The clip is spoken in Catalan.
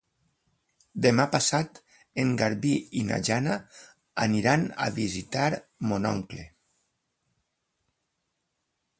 Demà passat en Garbí i na Jana aniran a visitar mon oncle.